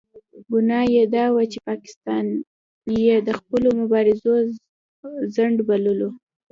ګناه یې دا وه چې پاکستان یې د خپلو مبارزو خنډ بللو.